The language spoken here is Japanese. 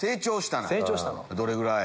どれぐらい？